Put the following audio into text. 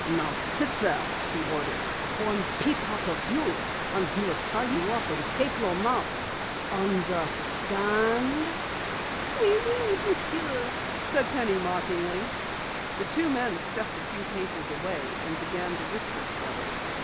"Now sit there," he ordered. "One peep out of you and we'll tie you up and tape your mouth. Understand?" "Oui, oui, Monsieur," said Penny, mockingly. The two men stepped a few paces away and began to whisper together.